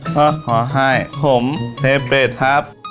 ก็ขอให้ผมเทเป็ดครับ